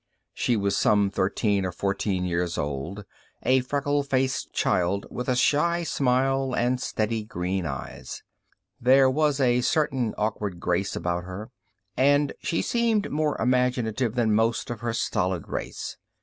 She was some thirteen or fourteen years old, a freckle faced child with a shy smile, and steady green eyes. There was a certain awkward grace about her, and she seemed more imaginative than most of her stolid race.